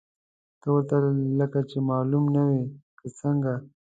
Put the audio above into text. ته ورته لکه چې معلوم نه وې، که څنګه!؟